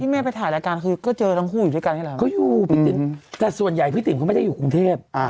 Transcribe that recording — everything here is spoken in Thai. ทีแม่ไปถ่ายรายการคือก็เจอทั้งคู่อยู่ด้วยกันใช่ไหม